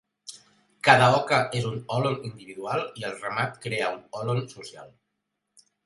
Cada oca és un hòlon individual i el ramat crea un hòlon social.